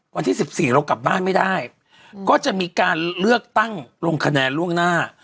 วันที่๑๔เรากลับบ้านไม่ได้ก็จะมีการเลือกตั้งลงคะแนนล่วงหน้า